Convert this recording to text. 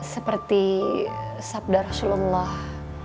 seperti sabda rasulullah